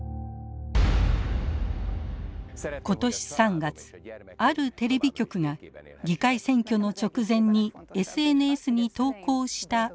今年３月あるテレビ局が議会選挙の直前にＳＮＳに投稿した動画です。